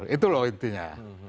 itu loh intinya